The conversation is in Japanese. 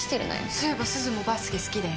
そういえばすずもバスケ好きだよね？